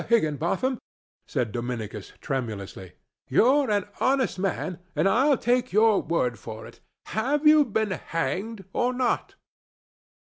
Higginbotham," said Dominicus, tremulously, "you're an honest man, and I'll take your word for it. Have you been hanged, or not?"